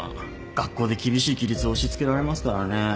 学校で厳しい規律を押し付けられますからね。